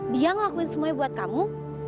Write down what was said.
dia ngelakuin semuanya buat kamu